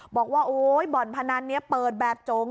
บอกว่าโอ๊ยบ่อนพนันนี้เปิดแบบจง